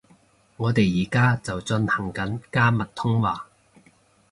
我哋而家就進行緊加密通話